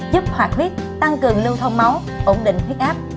giúp hoạt huyết tăng cường lưu thông máu ổn định huyết áp